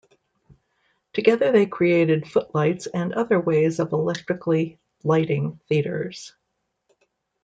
Together they created footlights and other ways of electrically lighting theaters.